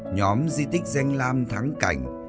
nhóm di tích danh lam thắng cảnh